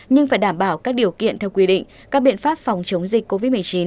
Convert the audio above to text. nhưng phải đảm bảo các điều kiện theo quy định các biện pháp phòng chống dịch covid một mươi chín